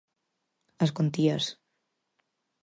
As contías.